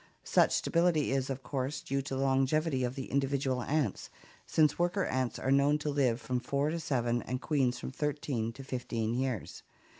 Such stability is, of course, due to the longevity of the individual ants, since worker ants are known to live from four to seven and queens from thirteen to fifteen years.